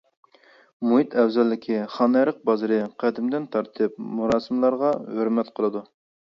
مۇھىت ئەۋزەللىكى خانئېرىق بازىرى قەدىمدىن تارتىپ مۇراسىملارغا ھۆرمەت قىلىدۇ.